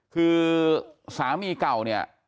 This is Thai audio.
คือสามีเก่าเนี่ย